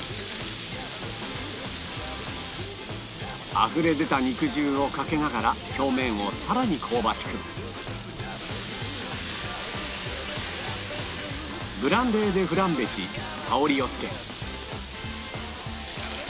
あふれ出た肉汁をかけながら表面をさらに香ばしくブランデーでフランベし香りをつけ